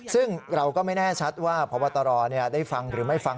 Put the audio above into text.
ซึ่งเราก็ไม่แน่ชัดว่าพบตรได้ฟังหรือไม่ฟัง